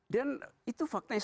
dan itu faktanya